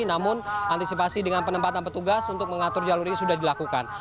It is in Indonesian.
namun antisipasi dengan penempatan petugas untuk mengatur jalur ini sudah dilakukan